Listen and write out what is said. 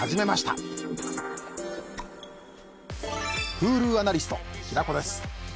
Ｈｕｌｕアナリスト平子です。